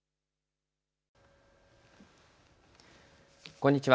こんにちは。